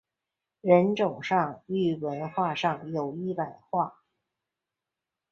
人种上与文化上已伊朗化。